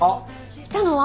いたのは？